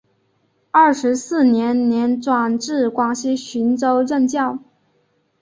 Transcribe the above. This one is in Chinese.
二十四年年转至广西浔州任教。